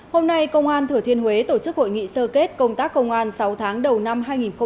hôm nay công an thừa thiên huế tổ chức hội nghị sơ kết công tác công an sáu tháng đầu năm hai nghìn hai mươi ba